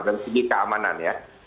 dan sedih keamanan ya